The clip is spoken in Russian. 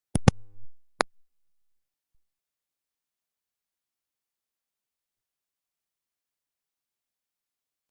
Уравнение в частных производных возмещает мелодический кризис легитимности.